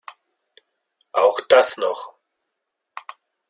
Auch das noch!